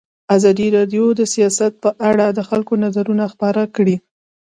ازادي راډیو د سیاست په اړه د خلکو نظرونه خپاره کړي.